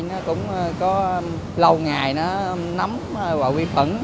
nó cũng có lâu ngày nó nắm vào huy phẩm